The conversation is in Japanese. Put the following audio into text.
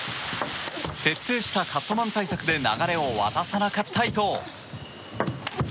徹底したカットマン対策で流れを渡さなかった伊藤。